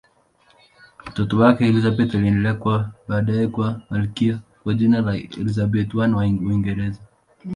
Mtoto wake Elizabeth aliendelea baadaye kuwa malkia kwa jina la Elizabeth I wa Uingereza.